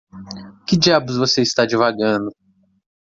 Que diabos você está divagando?